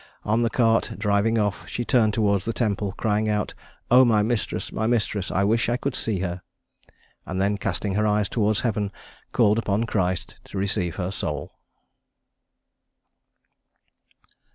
On the cart driving off, she turned towards the Temple, crying out, "Oh! my mistress, my mistress! I wish I could see her!" and then, casting her eyes towards heaven, called upon Christ to receive her soul.